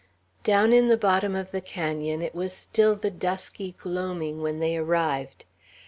Down in the bottom of the canon it was still the dusky gloaming when they arrived.